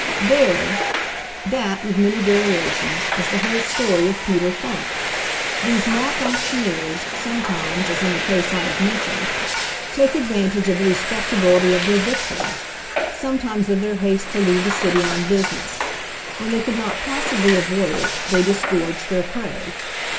There, that (with many variations) is the whole story of Peter Funk. These "mock auctioneers," sometimes, as in the case I have mentioned, take advantage of the respectability of their victims, sometimes of their haste to leave the city on business. When they could not possibly avoid it, they disgorged their prey.